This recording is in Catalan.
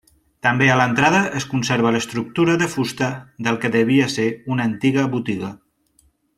També a l'entrada es conserva l'estructura de fusta del que devia ser una antiga botiga.